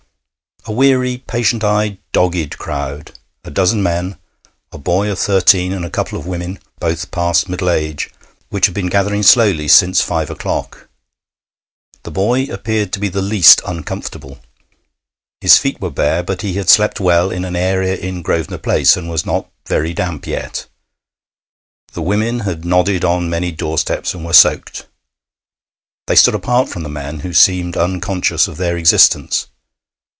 A weary, patient eyed, dogged crowd a dozen men, a boy of thirteen, and a couple of women, both past middle age which had been gathering slowly since five o'clock. The boy appeared to be the least uncomfortable. His feet were bare, but he had slept well in an area in Grosvenor Place, and was not very damp yet. The women had nodded on many doorsteps, and were soaked. They stood apart from the men, who seemed unconscious of their existence.